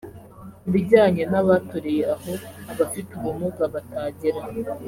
Ku bijyanye n’abatoreye aho abafite ubumuga batagera